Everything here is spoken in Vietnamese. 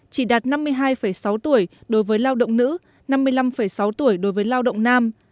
chỉ đạt năm mươi hai sáu tuổi đối với lao động nữ năm mươi năm sáu tuổi đối với lao động nam